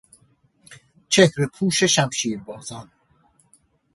چهرهپوش شمشیربازان